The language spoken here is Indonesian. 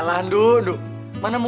nanti gue jalan